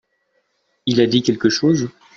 Il a dit quelque chose ?